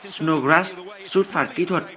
snowgrass rút phạt kỹ thuật